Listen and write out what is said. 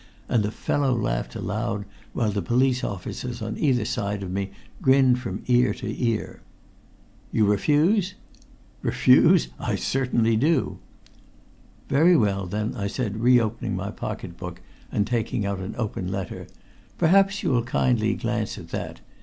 And the fellow laughed aloud, while the police officers on either side of me grinned from ear to ear. "You refuse?" "Refuse? Certainly I do!" "Very well, then," I said, re opening my pocket book and taking out an open letter. "Perhaps you will kindly glance at that.